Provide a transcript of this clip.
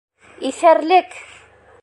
Иҫәрлек!